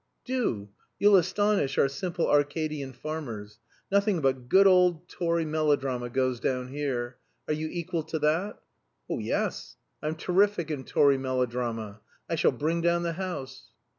"Do. You'll astonish our simple Arcadian farmers. Nothing but good old Tory melodrama goes down here. Are you equal to that?" "Oh yes. I'm terrific in Tory melodrama. I shall bring down the house."